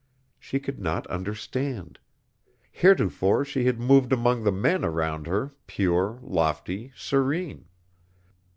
She could not understand. Heretofore she had moved among the men around her, pure, lofty, serene.